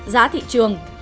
giá thị trường